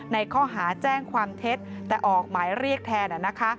ในข้อหาแจ้งความเท็จแต่ออกหมายเรียกแทน